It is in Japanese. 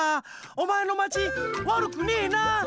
おまえのまちわるくねえな。でしょ？